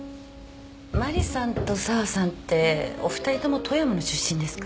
マリさんと沢さんってお二人とも富山の出身ですか？